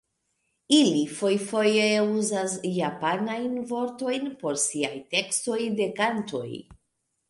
Ili fojfoje uzas japanajn vortojn por siaj tekstoj de kantoj.